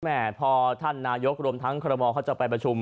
แม่พอท่านนายกรมทั้งจะไปประชุม